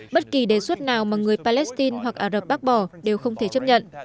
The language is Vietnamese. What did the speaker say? bất kỳ đề xuất nào mà người palestine hoặc ả rập bác bỏ đều không thể chấp nhận